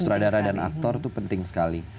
sutradara dan aktor itu penting sekali